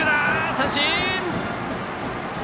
三振！